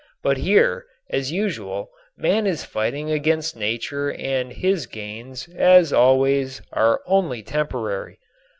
But here, as usual, man is fighting against nature and his gains, as always, are only temporary.